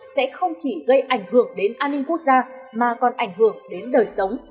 vi phạm tội sẽ không chỉ gây ảnh hưởng đến an ninh quốc gia mà còn ảnh hưởng đến đời sống